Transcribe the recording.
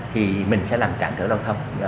thì mình sẽ làm trạng trở lâu thông